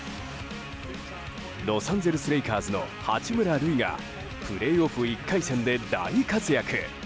ロサンゼルス・レイカーズの八村塁がプレーオフ１回戦で大活躍。